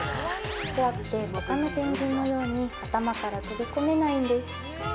怖くて他のペンギンのように頭から飛び込めないんです